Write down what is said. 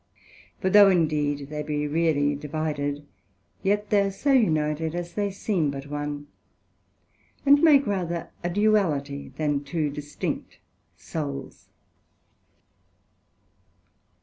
For though indeed they be really divided, yet are they so united, as they seem but one, and make rather a duality than two distinct souls.